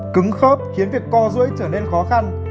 cứng khớp khiến việc co rưỡi trở nên khó khăn